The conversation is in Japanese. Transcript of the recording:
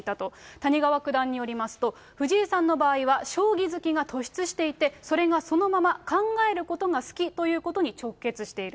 谷川九段によりますと、藤井さんの場合は、将棋好きが突出していて、それがそのまま考えることが好きということに直結している。